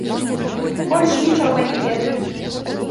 Больш нічога не ведаю.